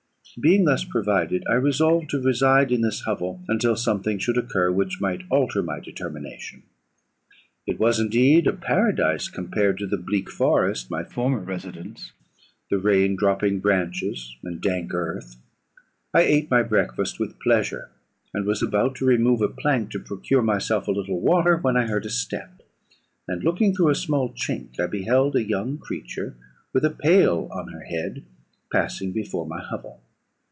"Being thus provided, I resolved to reside in this hovel, until something should occur which might alter my determination. It was indeed a paradise, compared to the bleak forest, my former residence, the rain dropping branches, and dank earth. I ate my breakfast with pleasure, and was about to remove a plank to procure myself a little water, when I heard a step, and looking through a small chink, I beheld a young creature, with a pail on her head, passing before my hovel.